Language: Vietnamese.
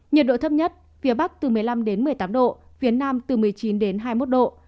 nhiệt độ thấp nhất phía bắc từ một mươi năm đến một mươi tám độ phía nam từ một mươi chín đến hai mươi một độ